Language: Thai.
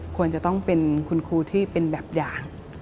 ควรจะต้องเป็นคุณครูที่เป็นแบบอย่าง